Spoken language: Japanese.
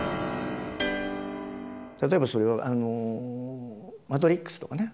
例えばそれは「マトリックス」とかね